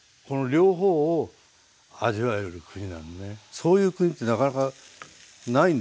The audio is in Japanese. そういう国ってなかなかないんですよ。